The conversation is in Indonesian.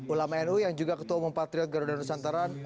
ulama nu yang juga ketua umum patriot garuda nusantara